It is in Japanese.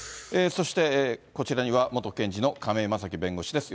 そしてこちらには、元検事の亀井正貴弁護士です。